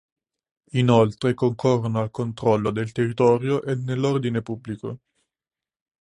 Inoltre concorrono al controllo del territorio e nell'ordine pubblico.